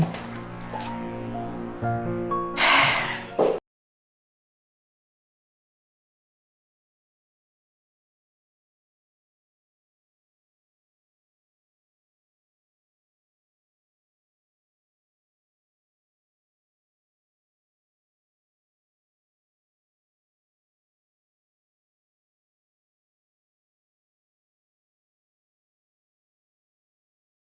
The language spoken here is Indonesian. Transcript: untungnya udah mampir watak comes